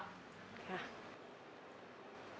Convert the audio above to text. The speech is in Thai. มันเกี่ยวกับวันเกิดของคนในครอบครัวนี่แหละครับ